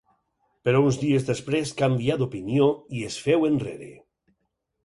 Però uns dies després canvià d'opinió i es féu enrere.